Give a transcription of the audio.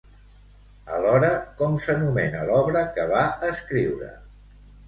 Alhora, com s'anomena l'obra que va escriure?